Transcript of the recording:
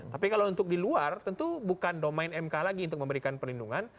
tapi kalau untuk di luar tentu bukan domain mk lagi untuk memberikan perlindungan